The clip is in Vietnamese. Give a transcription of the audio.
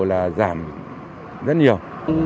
là giảm rất nhiều